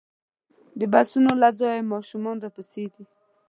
د بسونو له ځایه ماشومان راپسې دي.